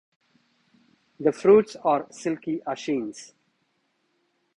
The fruits are silky achenes.